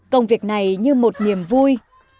công việc này như một niềm vui